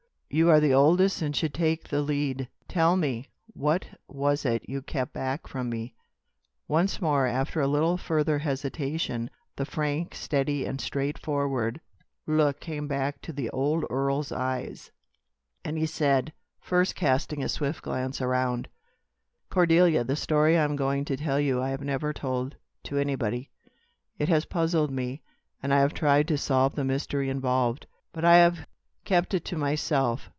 You are the oldest, and should take the lead. Tell me, what was it you kept back from me?" Once more, after a little further hesitation, the frank, steady, and straightforward look came back to the old earl's eyes; and he said, first casting a swift glance around: "Cordelia, the story I am going to tell you I have never told to anybody. It has puzzled me; and I have tried to solve the mystery involved; but I have kept it to myself.